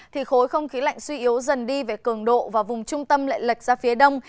thì khối không khí lạnh suy yếu dần đi về cường độ và vùng trung tâm lại lệch ra phía đông